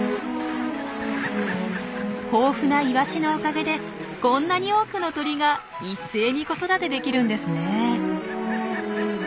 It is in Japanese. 豊富なイワシのおかげでこんなに多くの鳥が一斉に子育てできるんですね。